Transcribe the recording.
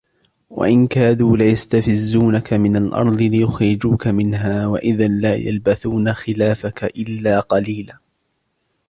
وَإِنْ كَادُوا لَيَسْتَفِزُّونَكَ مِنَ الْأَرْضِ لِيُخْرِجُوكَ مِنْهَا وَإِذًا لَا يَلْبَثُونَ خِلَافَكَ إِلَّا قَلِيلًا